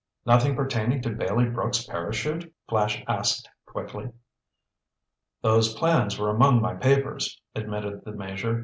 "Nothing pertaining to Bailey Brooks' parachute?" Flash asked quickly. "Those plans were among my papers," admitted the Major.